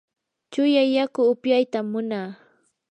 chuya yaku upyaytam munaa.